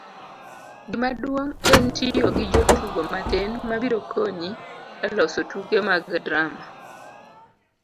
gimaduong' en tiyo gi jotugo matin mabiro konyi e loso tuke mag drama